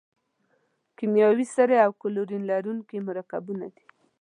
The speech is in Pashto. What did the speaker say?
کیمیاوي سرې او کلورین لرونکي مرکبونه دي.